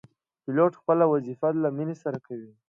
پیلوټ خپل وظیفه له مینې سره کوي.